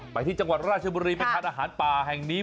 ไปที่จังหวัดราชบุรีไปทานอาหารป่าแห่งนี้